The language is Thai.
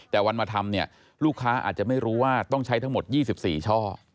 แต่วันมาทำเนี่ยลูกค้าอาจจะไม่รู้ว่าต้องใช้ทั้งหมด๒๔ช่อ